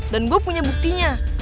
dan gue punya buktinya